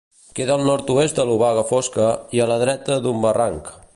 Queda al nord-oest de l'Obaga Fosca, i a la dreta d'un barranc.